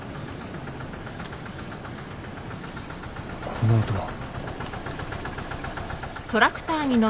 ・この音は。